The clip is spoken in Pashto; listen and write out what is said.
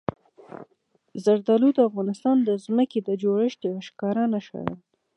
زردالو د افغانستان د ځمکې د جوړښت یوه ښکاره نښه ده.